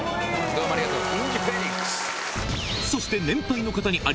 どうもありがとう。